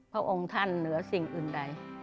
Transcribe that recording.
พระองค์ท่านเหนือสิ่งอื่นใด